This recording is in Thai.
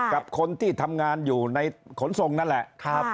กับคนที่ทำงานอยู่ในขนส่งนั่นแหละ